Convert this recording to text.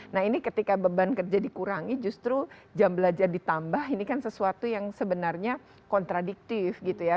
nah ini ketika beban kerja dikurangi justru jam belajar ditambah ini kan sesuatu yang sebenarnya kontradiktif gitu ya